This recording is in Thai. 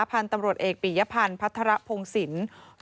พันธุ์ตำรวจเอกปียพันธ์พัฒระพงศิลป์